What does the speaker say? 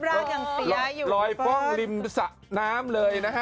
รอยป้องริมสะน้ำเลยนะฮะ